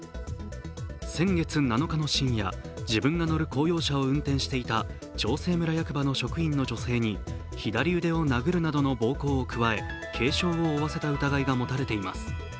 先月７日の深夜、自分が乗る公用車を運転していた長生村役場の職員の女性に左腕を殴るなどの暴行を加え軽傷を負わせた疑いが持たれています。